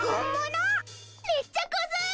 めっちゃコズい！